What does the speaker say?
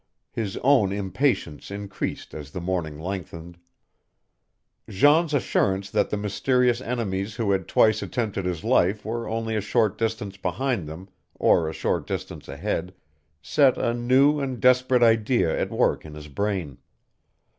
His own impatience increased as the morning lengthened. Jean's assurance that the mysterious enemies who had twice attempted his life were only a short distance behind them, or a short distance ahead, set a new and desperate idea at work in his brain.